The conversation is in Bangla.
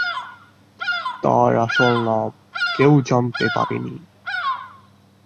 তার আসল নাম কেউ জানতে পারেনি।